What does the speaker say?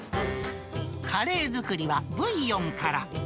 カレー作りはブイヨンから。